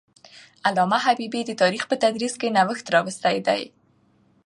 علامه حبيبي د تاریخ په تدریس کې نوښت راوستی دی.